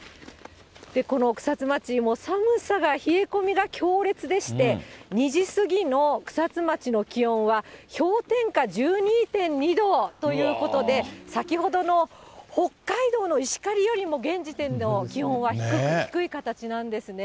この草津町、寒さが、冷え込みが強烈でして、２時過ぎの草津町の気温は氷点下１２．２度ということで、先ほどの北海道の石狩よりも現時点の気温は低い形なんですね。